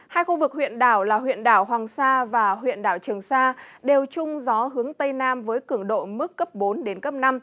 hai khu vực huyện đảo là huyện đảo hoàng sa và huyện đảo trường sa đều chung gió hướng tây nam với cường độ mức cấp bốn đến cấp năm